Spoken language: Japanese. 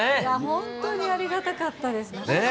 本当にありがたかったです。